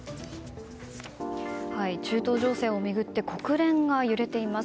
中東情勢を巡って国連が揺れています。